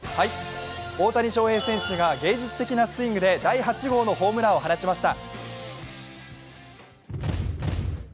大谷翔平選手が芸術的なスイングで第８号のホームランを放ちました。